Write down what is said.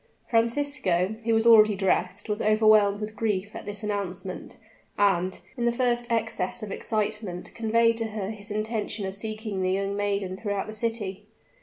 Francisco, who was already dressed, was overwhelmed with grief at this announcement, and, in the first excess of excitement, conveyed to her his intention of seeking the young maiden throughout the city.